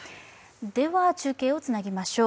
では、中継をつなぎましょう。